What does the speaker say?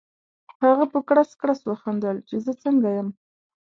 هغه په کړس کړس وخندل چې زه څنګه یم؟